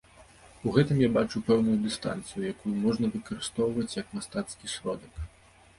У гэтым я бачу пэўную дыстанцыю, якую можна выкарыстоўваць як мастацкі сродак.